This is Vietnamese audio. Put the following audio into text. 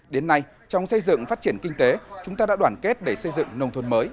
đến nay trong xây dựng phát triển kinh tế chúng ta đã đoàn kết để xây dựng nông thôn mới